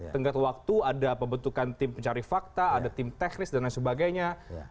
tenggat waktu ada pembentukan tim pencari fakta ada tim teknis dan lain sebagainya